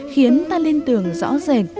khiến ta liên tưởng rõ rệt